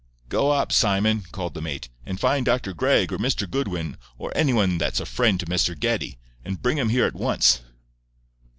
"Go up, Simon," called the mate, "and find Dr. Gregg or Mr. Goodwin or anybody that's a friend to Mr. Geddie, and bring 'em here at once."